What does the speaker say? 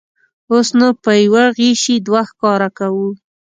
اوس نو په یوه غیشي دوه ښکاره کوو.